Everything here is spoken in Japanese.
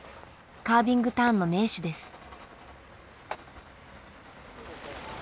カービングターンの名手です。